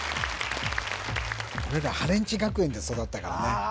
俺ら「ハレンチ学園」で育ったからねああ！